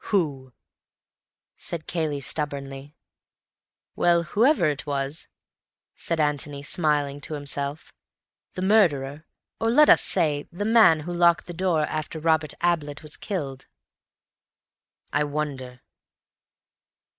"Who?" said Cayley stubbornly. "Well, whoever it was," said Antony, smiling to himself. "The murderer. Or, let us say, the man who locked the door after Robert Ablett was killed." "I wonder."